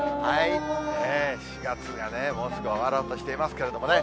４月がね、もうすぐ終わろうとしてますけどね。